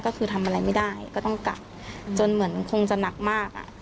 ก็คือทำอะไรไม่ได้ก็ต้องกักจนเหมือนคงจะหนักมากอ่ะ